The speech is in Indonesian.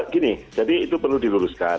gini jadi itu perlu diluruskan